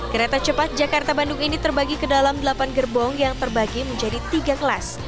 kereta cepat jakarta bandung ini terbagi ke dalam delapan gerbong yang terbagi menjadi tiga kelas